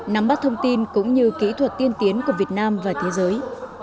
nắm bắt thông tin cũng như kỹ thuật tiên tiến của việt nam và thế giới